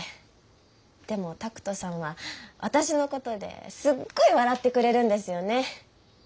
でも拓門さんは私のことですっごい笑ってくれるんですよね。